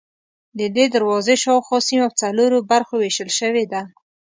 ددې دروازې شاوخوا سیمه په څلورو برخو وېشل شوې ده.